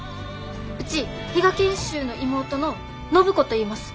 うち比嘉賢秀の妹の暢子といいます。